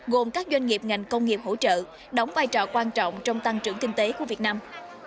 gồm các doanh nghiệp ngành công nghiệp hỗ trợ đóng vai trò quan trọng trong tăng trưởng kinh tế của việt nam